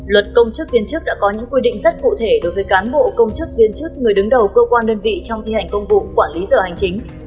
luật công chức viên chức đã có những quy định rất cụ thể đối với cán bộ công chức viên chức người đứng đầu cơ quan đơn vị trong thi hành công vụ quản lý giờ hành chính